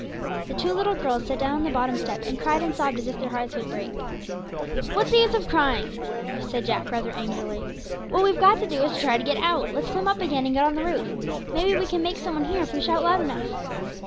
The two little girls sat down on the bottom step, and cried and sobbed as if their hearts would break. 'What's the use of crying?' said Jack, rather angrily; 'what we've got to do is to try to get out. Let's climb up again, and get out on the roof; maybe we can make some one hear if we shout loud enough.'